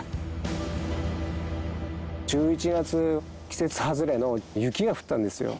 １１月季節外れの雪が降ったんですよ。